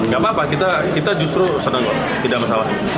gak apa apa kita justru senang kok tidak masalah